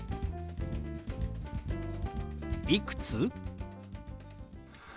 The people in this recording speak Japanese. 「いくつ？」。